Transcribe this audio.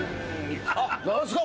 あっ何すか？